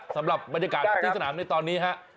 สำหรับบรรยากาศที่สนามในตอนนี้ฮะ